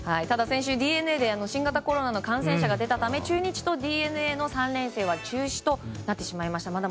ただ、先週ＤｅＮＡで新型コロナの感染者が出たため中日とＤｅＮＡの３連戦は中止となってしまいました。